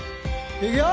いくよ！